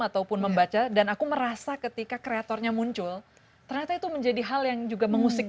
ataupun membaca dan aku merasa ketika kreatornya muncul ternyata itu menjadi hal yang juga mengusik